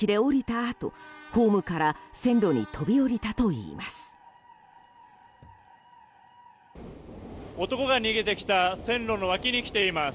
あとホームから線路に飛び降りたといいます。